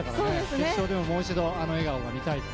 決勝でももう一度あの笑顔が見たいです。